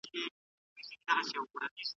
بوچانان د امکاناتو د پرمختیا خبره یاده کړه.